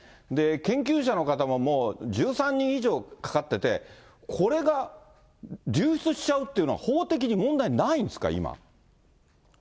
研究者の方も、もう１３年以上かかってて、これが流出しちゃうっていうのは、法的に問題ないんですか、今。